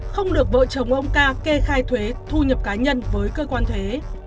không được vợ chồng ông ca kê khai thuế thu nhập cá nhân với cơ quan thuế